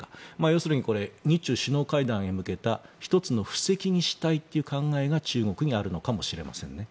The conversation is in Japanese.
要するに、これは日中首脳会談へ向けた１つの布石にしたいという考えが中国にあるのかもしれませんね。